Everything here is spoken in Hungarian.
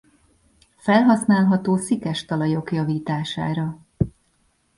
Felhasználható szikes talajok javítására.